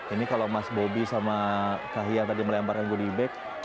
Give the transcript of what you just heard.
ini kalau mas bobi sama kahiyang tadi melemparkan goodie bag